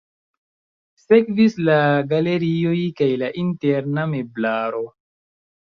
Sekvis la galerioj kaj la interna meblaro.